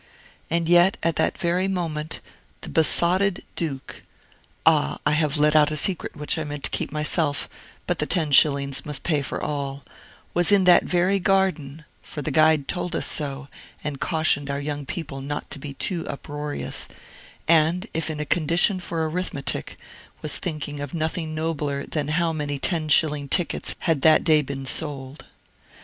And yet, at that very moment, the besotted Duke (ah! I have let out a secret which I meant to keep to myself; but the ten shillings must pay for all) was in that very garden (for the guide told us so, and cautioned our young people not to be too uproarious), and, if in a condition for arithmetic, was thinking of nothing nobler than how many ten shilling tickets had that day been sold.